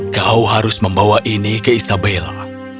kau harus membawa ini ke isabella